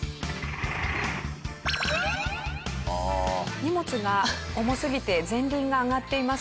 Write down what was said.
荷物が重すぎて前輪が上がっています。